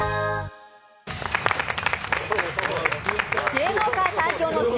芸能界最強の尻